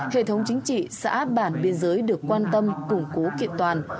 hệ thống chính trị sẽ áp bản biên giới được quan tâm củng cố kiện toàn